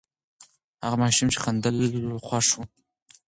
هغه ماشوم چې خندل، خوښ و.